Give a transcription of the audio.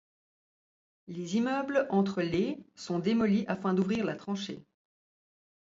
Les immeubles entre les sont démolis afin d'ouvrir la tranchée.